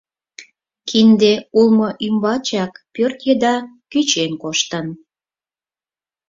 Кинде улмо ӱмбачак пӧрт еда кӱчен коштын.